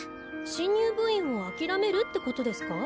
新入部員を諦めるってことですか？